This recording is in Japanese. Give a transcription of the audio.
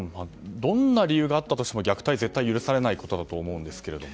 どんな理由があったとしても虐待は絶対に許されないことだと思うんですけれども。